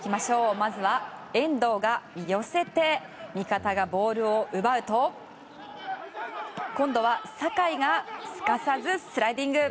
まずは遠藤が寄せて味方がボールを奪うと今度は酒井がすかさずスライディング。